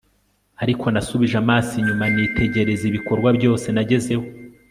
ariko nasubije amaso inyuma, nitegereza ibikorwa byose nagezeho